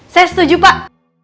saya setuju pak